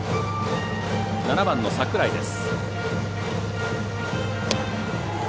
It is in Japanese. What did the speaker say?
７番の櫻井です。